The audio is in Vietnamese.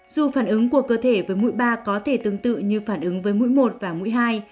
dù phản ứng của cơ thể với mũi ba có thể tương tự như phản ứng với mũi một và mũi hai